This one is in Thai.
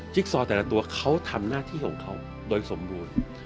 ซอแต่ละตัวเขาทำหน้าที่ของเขาโดยสมบูรณ์